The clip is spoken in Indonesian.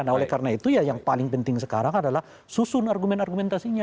nah oleh karena itu ya yang paling penting sekarang adalah susun argumen argumentasinya